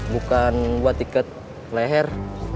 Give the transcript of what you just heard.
bukan buat iket leher